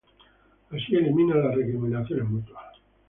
Así, elimina las recriminaciones mutuas.